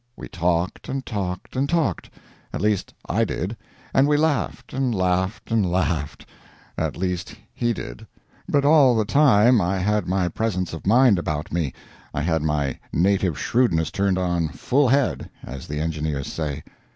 We talked, and talked, and talked at least I did; and we laughed, and laughed, and laughed at least he did. But all the time I had my presence of mind about me I had my native shrewdness turned on "full head," as the engineers say.